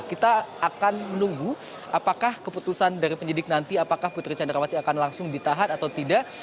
kita akan menunggu apakah keputusan dari penyidik nanti apakah putri candrawati akan langsung ditahan atau tidak